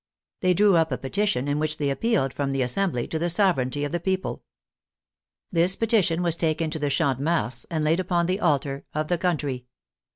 They drew up a petition in which they appealed from the Assembly to the sovereignty of the people. This petition was taken to the Champ de Mars and laid upon the " altar of the country."